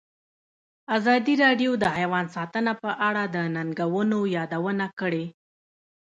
ازادي راډیو د حیوان ساتنه په اړه د ننګونو یادونه کړې.